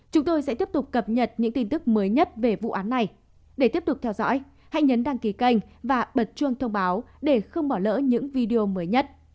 chúng tôi sẽ tiếp tục cập nhật những tin tức mới nhất về vụ án này để tiếp tục theo dõi hãy nhấn đăng ký kênh và bật chuông thông báo để không bỏ lỡ những video mới nhất